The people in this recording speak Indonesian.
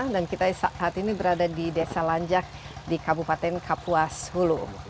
dan kita saat ini berada di desa lanjak di kabupaten kapuas hulu